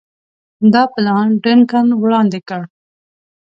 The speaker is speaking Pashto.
دا پلان ډنکن وړاندي کړ.